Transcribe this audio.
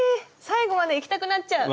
最後までいきたくなっちゃう！